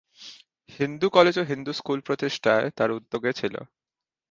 Hindu college ও Hindu school প্রতিষ্ঠায় তার উদ্যোগে ছিল।